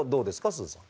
すずさん。